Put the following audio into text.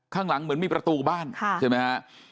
ข้างหลังเหมือนมีประตูบ้านใช่ไหมฮะ